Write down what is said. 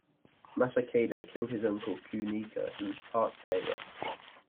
Masakado killed his uncle Kunika who was part Taira.